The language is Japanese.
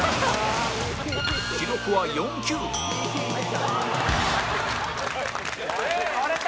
記録は４球割れた！